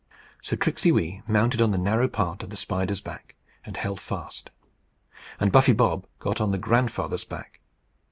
So Tricksey Wee mounted on the narrow part of the spider's back, and held fast. And Buffy Bob got on the grandfather's back.